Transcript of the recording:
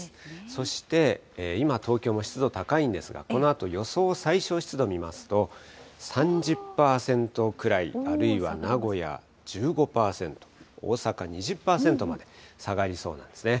そして今、東京も湿度高いんですが、このあと予想最小湿度を見ますと、３０％くらい、あるいは名古屋１５％、大阪２０％まで下がりそうなんですね。